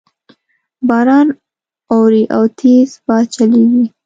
باران اوري او تیز باد چلیږي